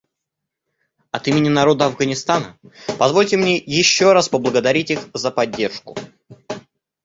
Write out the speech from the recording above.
От имени народа Афганистана позвольте мне еще раз поблагодарить их за поддержку».